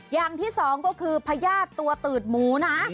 อย่างที่สองก็คือพญาติตัวตืดหมูนะ